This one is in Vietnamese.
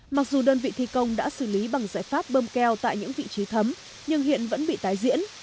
mặc dù đơn vị thi công đã xử lý bằng giải pháp bơm keo tại những vị trí thấm nhưng hiện vẫn bị tái diễn